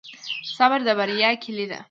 صبر د بریا کیلي ده.